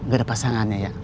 gak ada pasangannya ya